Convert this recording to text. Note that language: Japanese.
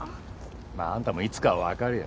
まああんたもいつかはわかるよ。